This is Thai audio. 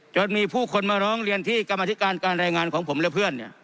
จนมีผู้คนมาร้องเรียนที่กรรมธิการการรายงานของผมและเพื่อน